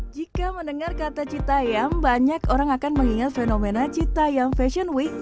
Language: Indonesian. jika mendengar kata cita yam banyak orang akan mengingat fenomena cita yam fashion week